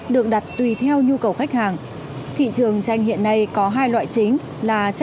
được đặt tùy theo nhu cầu khách hàng thị trường tranh hiện nay có hai loại chính